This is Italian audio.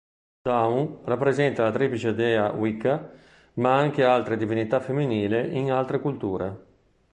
Dawn rappresenta la triplice Dea Wicca ma anche altre divinità femminili in altre culture.